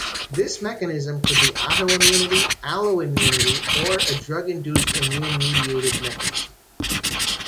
This mechanism could be autoimmunity, alloimmunity or a drug-induced immune-mediated mechanism.